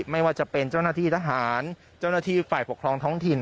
ไม่ว่าจะเป็นเจ้าหน้าที่ทหารเจ้าหน้าที่ฝ่ายปกครองท้องถิ่น